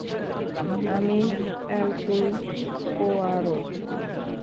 আমি Hercule Poirot!